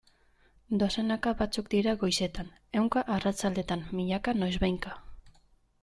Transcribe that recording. Dozenaka batzuk dira goizetan, ehunka arratsaldetan, milaka noizbehinka...